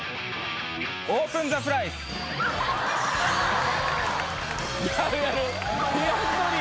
「オープン・ザ・プライス」やるやる。